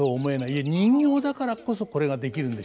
いや人形だからこそこれができるんでしょうね。